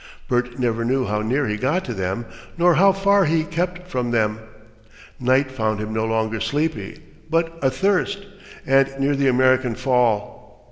Bert never knew how near he got to them nor how far he kept from them. Night found him no longer sleepy, but athirst, and near the American Fall.